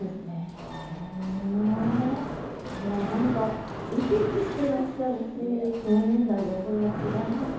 いや何か生き生きしてらっしゃるし同年代がこうやって頑張ってらっしゃる。